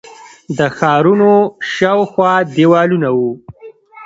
د ښارونو شاوخوا دیوالونه وو